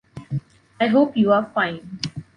I hope you are fine